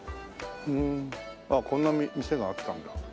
こんな店があったんだ。